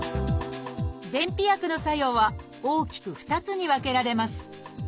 便秘薬の作用は大きく２つに分けられます。